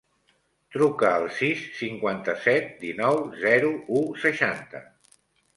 Truca al sis, cinquanta-set, dinou, zero, u, seixanta.